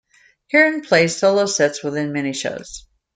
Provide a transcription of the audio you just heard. Hearn plays solo sets within many shows.